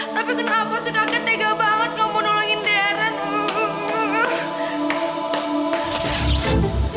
tapi kenapa sih kakek tega banget gak mau nolongin deren